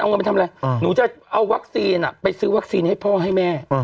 เอาเงินไปทำอะไรหนูจะเอาวัคซีนไปซื้อวัคซีนให้พ่อให้แม่